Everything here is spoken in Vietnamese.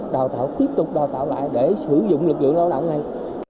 đào tạo tiếp tục đào tạo lại để sử dụng lực lượng lao động này